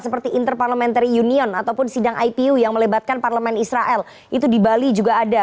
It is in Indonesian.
seperti interparliamentary union ataupun sidang ipu yang melebatkan parlemen israel itu di bali juga ada